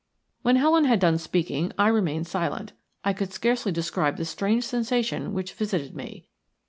When Helen had done speaking I remained silent. I could scarcely describe the strange sensation which visited me.